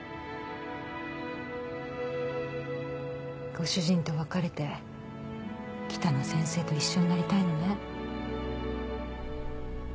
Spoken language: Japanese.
ご主人と別れて北野先生と一緒になりたいのね？